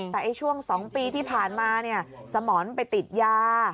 แต่ช่วง๒ปีที่ผ่านมาสมรไปติดยา